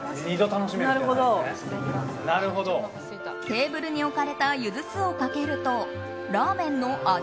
テーブルに置かれたゆず酢をかけるとラーメンの味